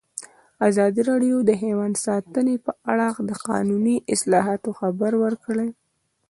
ازادي راډیو د حیوان ساتنه په اړه د قانوني اصلاحاتو خبر ورکړی.